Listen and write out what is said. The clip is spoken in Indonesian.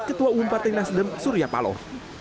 ketua umum partai nasdem surya paloh